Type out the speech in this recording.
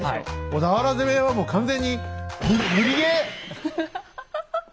小田原攻めはもう完全にアハハハッ。